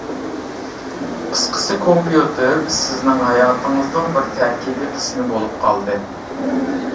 قىسقىسى، كومپيۇتېر سىزنىڭ ھاياتىڭىزنىڭ بىر تەركىبى قىسمى بولۇپ قالدى.